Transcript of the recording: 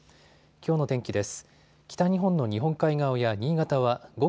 きょうの天気です。